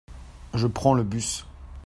Je prends le bus.